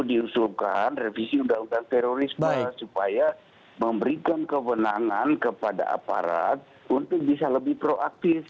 diusulkan revisi undang undang terorisme supaya memberikan kewenangan kepada aparat untuk bisa lebih proaktif